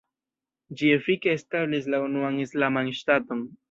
Ĝi efike establis la unuan islaman ŝtaton.